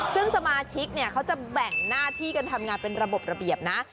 ซึ่งสมาชิกเนี่ยเขาจะแบ่งหน้าที่กันทำงานเป็นระบบระเบียบนะ